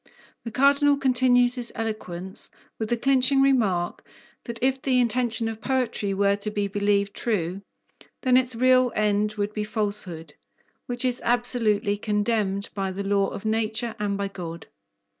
The Cardinal continues his eloquence with the clinching remark that if the intention of poetry were to be believed true, then its real end would be falsehood, which is absolutely condemned by the law of nature and by God.